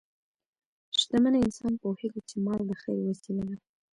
شتمن انسان پوهېږي چې مال د خیر وسیله ده.